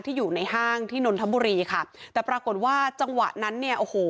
อยู่ในห้างที่นนทบุรีค่ะแต่ปรากฏว่าจังหวะนั้นเนี่ยโอ้โห